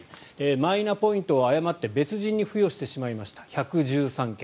マイナポイントを誤って別人に付与してしまいました１１３件。